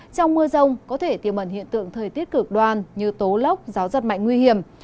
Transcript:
trong mưa rông có thể tiềm mẩn hiện tượng thời tiết cực đoan như tố lốc gió giật mạnh nguy hiểm